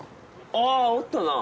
あおったな。